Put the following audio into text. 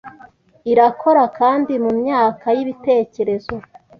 irakora kandi mumyaka yibitekerezo